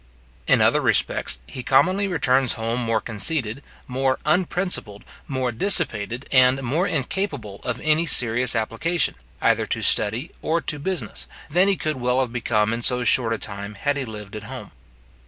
In other respects, he commonly returns home more conceited, more unprincipled, more dissipated, and more incapable of my serious application, either to study or to business, than he could well have become in so short a time had he lived at home.